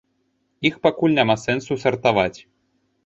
Іх пакуль няма сэнсу сартаваць.